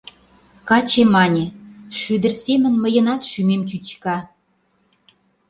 Каче мане: «Шӱдыр семын мыйынат шӱмем чӱчка».